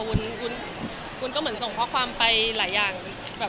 วุ้นก็เหมือนส่งข้อความไปหลายอย่าง